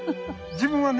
自分はね